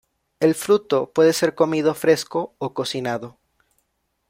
El fruto puede ser comido fresco o cocinado.